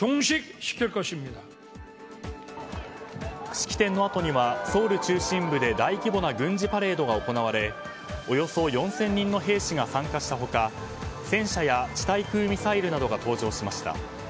式典のあとにはソウル中心部で大規模な軍事パレードが行われおよそ４０００人の兵士が参加した他戦車や地対空ミサイルなどが登場しました。